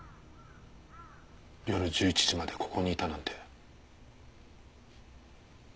夜１１時までここにいたなんて。